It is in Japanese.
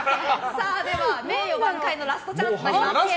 では名誉挽回のラストチャンスとなります